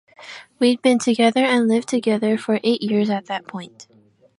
We'd been together, and lived together for eight years at that point.